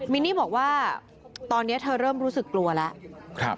นนี่บอกว่าตอนนี้เธอเริ่มรู้สึกกลัวแล้ว